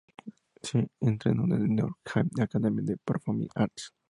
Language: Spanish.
Se entrenó en el "Norwegian Academy of Performing Arts".